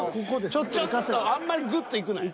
ちょっとあんまりグッといくなよ。